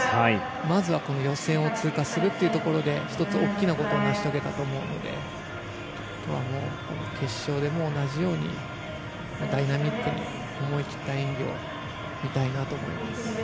まずは予選を通過するというところで１つ大きなことを成し遂げたと思うのであとは、もう決勝でも同じようにダイナミックに思い切った演技を見たいなと思います。